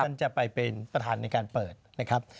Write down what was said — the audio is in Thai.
ท่านจะไปเป็นประธานในการเปิดนะครับ